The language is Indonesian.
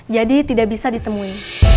jadi tidak bisa ditemui